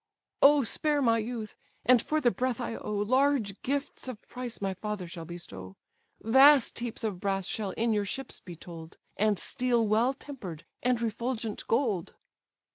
"O spare my youth, and for the breath I owe, Large gifts of price my father shall bestow: Vast heaps of brass shall in your ships be told, And steel well temper'd and refulgent gold."